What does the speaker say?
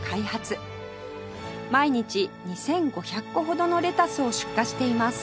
毎日２５００個ほどのレタスを出荷しています